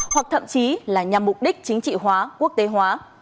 hoặc thậm chí là nhằm mục đích chính trị hóa quốc tế hóa